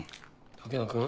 武田君？